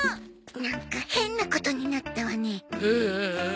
なんか変なことになったわね。